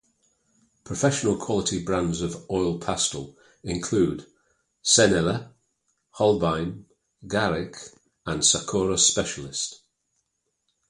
Professional quality brands of oil pastel include Sennelier, Holbein, Garich, and Sakura Specialist.